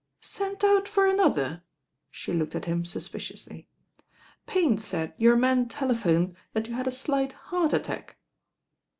*'Sent out for another I" she looked at him sus piciously. "Payne said your man telephoned that you had a slight heart attack."